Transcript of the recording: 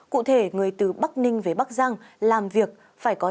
cụ thể người từ bắc ninh về bắc giang làm việc phải có